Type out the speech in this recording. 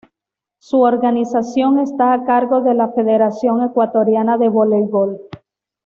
Su organización está a cargo de la Federación Ecuatoriana de Voleibol.